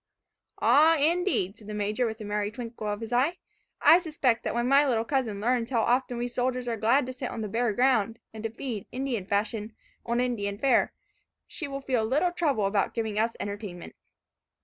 "Ah, indeed," said the Major, with a merry twinkle of his eye, "I suspect that when my little cousin learns how often we soldiers are glad to sit on the bare ground, and to feed, Indian fashion, on Indian fare, she will feel little trouble about giving us entertainment."